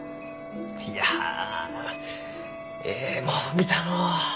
いやえいもんを見たのう。